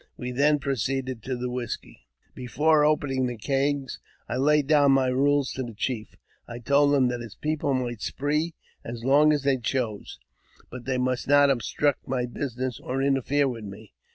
We then proceeded to the whisky. Before opening the kegs, I laid down my rules to the chief. I told him that his people might spree as long as they chose, but that they must not obstruct my business, or interfere with me.